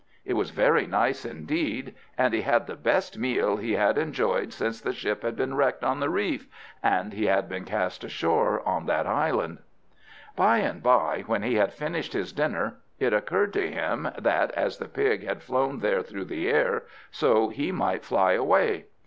It was very nice indeed, and he had the best meal he had enjoyed since the ship had been wrecked on the reef, and he had been cast ashore on that island. By and by, when he had finished his dinner, it occurred to him that as the pig had flown there through the air, so he might fly away.